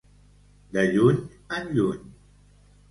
De lluny en lluny.